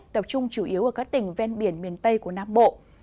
tập trung chủ yếu ở các tỉnh ven biển miền tây của nam bộ